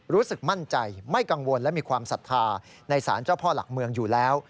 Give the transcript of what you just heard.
รู้สึกมั่นใจไม่กังวลและมีความศรัทธาในศาลเจ้าพ่อหลักเมืองอยู่แล้ว